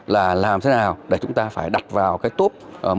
là làm thế nào để chúng ta phải đặt vào cái top một